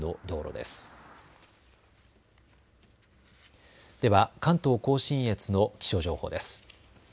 では関東甲信越の気象情報です。